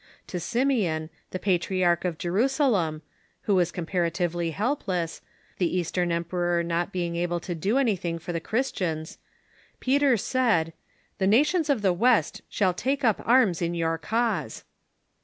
To Simeon, the Patriarch of Jerusalem, who was comparatively helpless, the Eastern emperor not being able to do anything for the Christians, Peter said :" The nations of the West shall take up arms in your cause."